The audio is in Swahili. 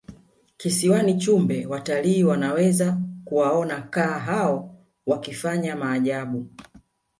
kisiwani chumbe watalii wanaweza kuwaona kaa hao wakifanya maajabu